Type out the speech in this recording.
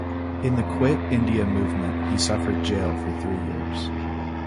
In the Quit India Movement he suffered jail for three years.